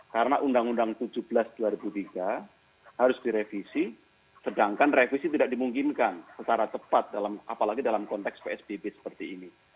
karena undang undang tujuh belas dua ribu tiga harus direvisi sedangkan revisi tidak dimungkinkan secara cepat apalagi dalam konteks psbb seperti ini